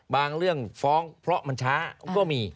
เรื่องฟ้องเพราะมันช้าก็มี